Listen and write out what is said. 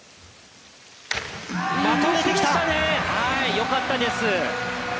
良かったです。